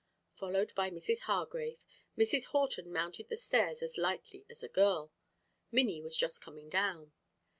Followed by Mrs. Hargrave, Mrs. Horton mounted the stairs as lightly as a girl. Minnie was just coming down.